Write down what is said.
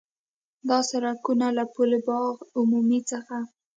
دا سړکونه له پُل باغ عمومي څخه